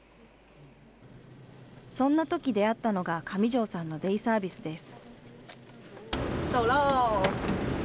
そんなとき出会ったのが、上條さんのデイサービスです。